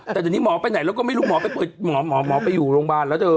แต่ตอนนี้หมอไปไหนอยู่ไม่รู้หมอไปอยู่โรงปันแล้วเจอ